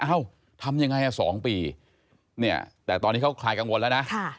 เอ้าทำยังไง๒ปีเนี่ยแต่ตอนนี้เขาคลายกังวลแล้วนะ